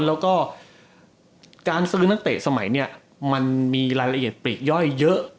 แล้วก็การซื้อนักเตะสมัยนี้มันมีรายละเอียดปลีกย่อยเยอะ